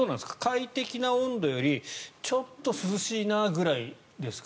快適な温度よりちょっと涼しいなぐらいですか？